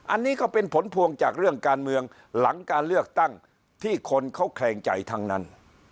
อันนี้ก็เป็นผลพวงจากเรื่องการเมืองหลังการเลือกตั้งที่คนเขาแคลงใจทั้งนั้น